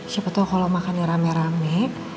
siapa tau kalo makan rame rame